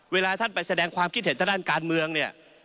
เวลาท่านไปแสดงความคิดเห็นทางด้านการเมืองเนี่ย